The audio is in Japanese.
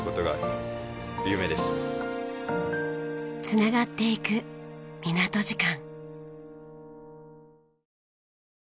繋がっていく港時間。